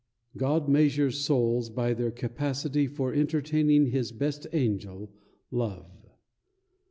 God measures souls by their capacity For entertaining his best Angel, Love.